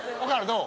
どう？